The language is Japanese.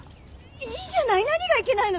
いいじゃない。